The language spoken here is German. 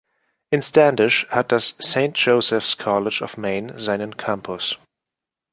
In Standish hat das Saint Joseph's College of Maine seinen Campus.